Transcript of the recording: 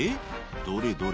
「どれどれ？」